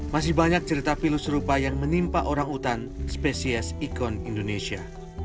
masih banyak cerita pilu serupa yang menimpa orangutan spesies ikon indonesia